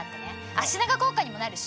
脚長効果にもなるし。